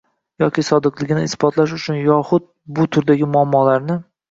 yoki sodiqligini isbotlash uchun yoxud bu turdagi muammolarni